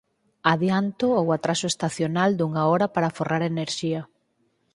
Adianto ou atraso estacional dunha hora para aforrar enerxía.